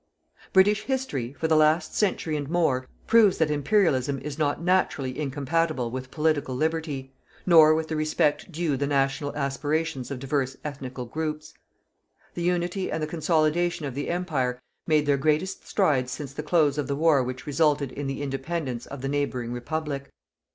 British history, for the last century and more, proves that Imperialism is not naturally incompatible with Political Liberty, nor with the respect due the national aspirations of divers ethnical groups. The unity and the consolidation of the Empire made their greatest strides since the close of the war which resulted in the independence of the neighbouring Republic.